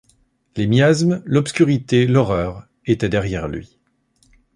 Les miasmes, l’obscurité, l’horreur, étaient derrière lui.